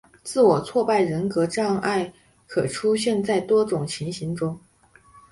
自我挫败人格障碍可出现在多种情形中。